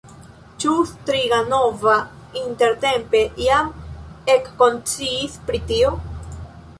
Ĉu Striganova intertempe jam ekkonsciis pri tio?